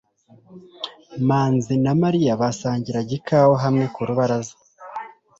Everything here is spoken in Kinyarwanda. manzi na mariya basangiraga ikawa hamwe ku rubaraza